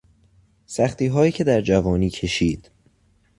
سختی هایی که در جوانی کشید